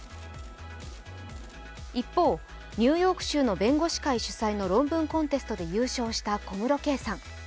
一方、ニューヨーク州の弁護士会主催の論文コンテストで優勝した小室圭さん。